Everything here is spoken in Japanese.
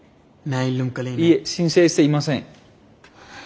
いえ申請していません。